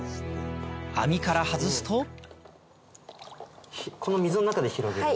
網から外すとこの水の中で広げる？